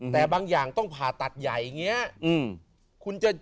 แต่บางอย่างต้องผ่าตัดใหญ่อย่างนี้